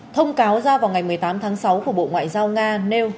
thông cáo ra vào ngày một mươi tám tháng sáu của bộ ngoại giao nga nêu